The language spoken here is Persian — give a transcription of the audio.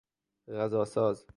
غذاساز